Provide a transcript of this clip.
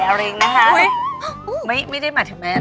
อะไรอย่างน้าฮะมั้ยไม่ได้มาถึงแม่นะ